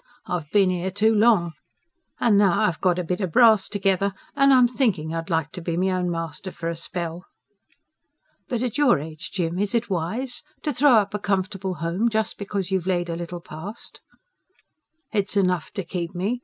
"I've bin 'ere too long. An' now I've got a bit o' brass together, an' am thinkin' I'd like to be me own master for a spell." "But at your age, Jim, is it wise? to throw up a comfortable home, just because you've laid a little past?" "It's enough to keep me.